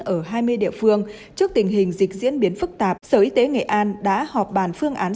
ở hai mươi địa phương trước tình hình dịch diễn biến phức tạp sở y tế nghệ an đã họp bàn phương án